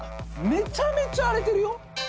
めちゃめちゃ荒れているよ。